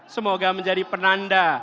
semoga menjadi penanda